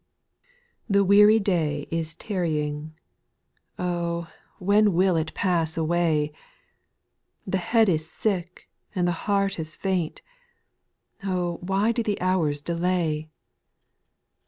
npHE weary day is tarrying ; J. Oh I when will it pass away ? The head is sick, and the heart is faint ; Oh ] why do the hours delay